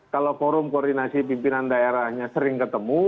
kalau forum koordinasi pimpinan daerahnya sering ketemu